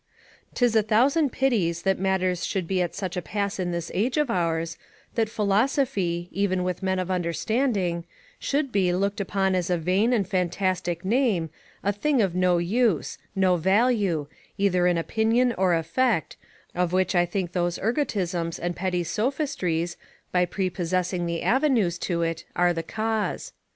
'Tis a thousand pities that matters should be at such a pass in this age of ours, that philosophy, even with men of understanding, should be, looked upon as a vain and fantastic name, a thing of no use, no value, either in opinion or effect, of which I think those ergotisms and petty sophistries, by prepossessing the avenues to it, are the cause.